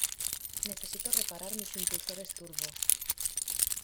Necesito reparar mis impulsores turbo.